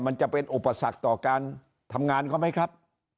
มันจะเป็นอุปสรรคต่อการทำงานเขาไหมครับ